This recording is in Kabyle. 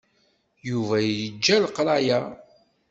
Yuba yeǧǧa leqraya.